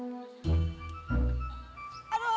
kemana tuh orang